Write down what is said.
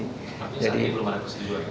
tapi jadi belum ada persetujuan